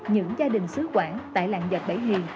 những gia đình xứ quản tại lạng dệt bảy hiền